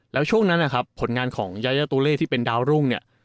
แล้วช่วงนั้นนะครับผลงานของยายาตุเล่ที่เป็นดาวรุ่งเนี่ย